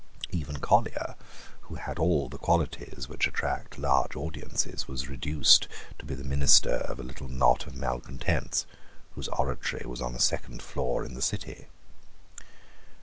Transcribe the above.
Even Collier, who had all the qualities which attract large audiences, was reduced to be the minister of a little knot of malecontents, whose oratory was on a second floor in the city.